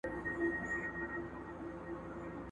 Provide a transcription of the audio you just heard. ټول به دي هېر وي او ما به غواړې `